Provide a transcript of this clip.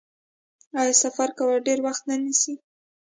آیا سفر کول ډیر وخت نه نیسي؟